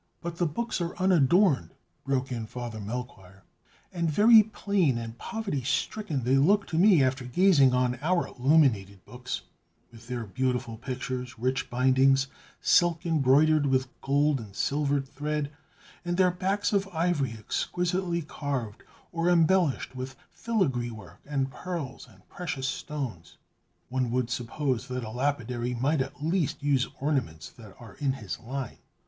"But, the books are unadorned!" broke in Father Melchoir. "And very plain and poverty stricken they look to me after gazing on our illuminated books, with their beautiful pictures, rich bindings, silk embroidered with gold and silver thread, and their backs of ivory exquisitely carved, or embellished with filigree work and pearls and precious stones. One would suppose that a lapidary might at least use ornaments that are in his line!"